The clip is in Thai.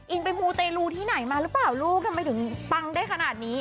ไปมูเตรลูที่ไหนมาหรือเปล่าลูกทำไมถึงปังได้ขนาดนี้